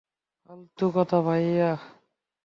ফালতু কথা, ভায়া।